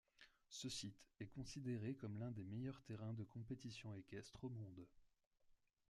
Ce site est considéré comme l'un des meilleurs terrains de compétition équestre au monde.